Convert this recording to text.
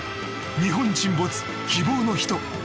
「日本沈没−希望のひと−」